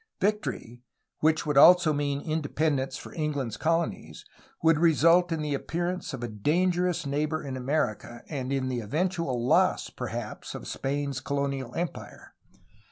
Victory, which would also mean independence for England's colonies, would result in the appearance of a dan gerous neighbor in America and in the eventual loss, perhaps, of Spain's colonial empire.